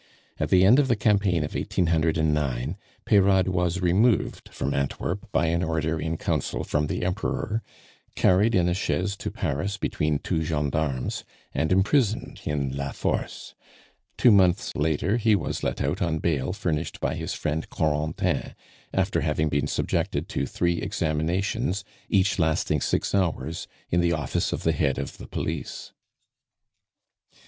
At the end of the campaign of 1809, Peyrade was removed from Antwerp by an order in Council from the Emperor, carried in a chaise to Paris between two gendarmes, and imprisoned in la Force. Two months later he was let out on bail furnished by his friend Corentin, after having been subjected to three examinations, each lasting six hours, in the office of the head of the Police.